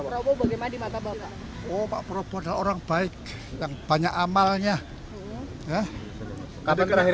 pak robo bagaimana di mata bapak oh pak robo orang baik yang banyak amalnya ya kapan terakhir